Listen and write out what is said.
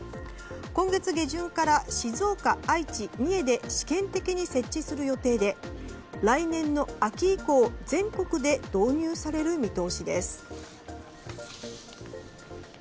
今月下旬から静岡、愛知、三重で試験的に設置する予定で来年の秋以降全国で導入される見通しです。